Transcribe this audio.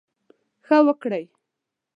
ښه وکړٸ.